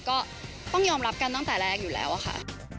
ก็ต้องยอมรับกันตั้งแต่แรกอยู่แล้วค่ะ